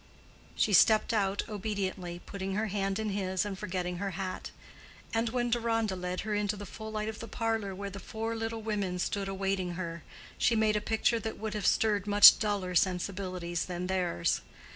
She stepped out obediently, putting her hand in his and forgetting her hat; and when Deronda led her into the full light of the parlor where the four little women stood awaiting her, she made a picture that would have stirred much duller sensibilities than theirs.